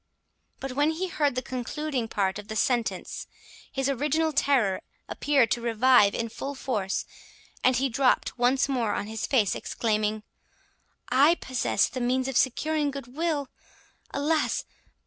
But when he heard the concluding part of the sentence, his original terror appeared to revive in full force, and he dropt once more on his face, exclaiming, "I possess the means of securing good will! alas!